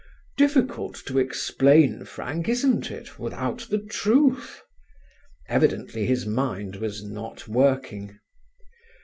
"Difficult to explain, Frank, isn't it, without the truth?" Evidently his mind was not working.